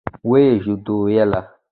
ويې ژدويله.